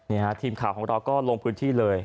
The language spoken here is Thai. เนี่ยฮะทีมข่าวของเราก็ลงพื้นที่เลย